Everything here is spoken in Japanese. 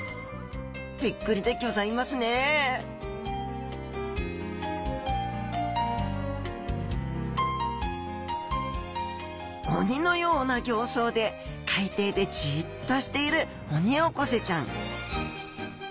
びっくりでギョざいますね鬼のような形相で海底でじっとしているオニオコゼちゃん